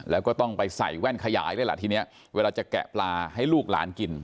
แล้วก็ต้องไปใส่แว่นขยายด้วยล่ะทีนี้เวลาจะแกะปลาให้ลูกหลานกิน